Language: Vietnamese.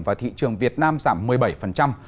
vào thị trường việt nam giảm một mươi bảy